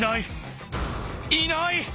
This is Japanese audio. いない！